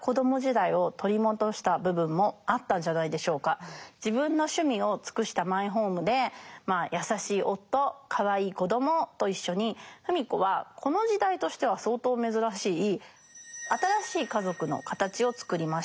一方芙美子は自分の趣味を尽くしたマイホームで優しい夫かわいい子どもと一緒に芙美子はこの時代としては相当珍しい新しい家族の形をつくりました。